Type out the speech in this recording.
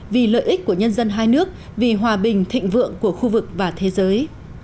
vì lợi ích của nhân dân hai nước vì hòa bình thịnh vượng của khu vực và thế giới